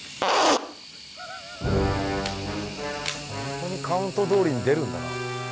本当にカウントどおりに出るんだな。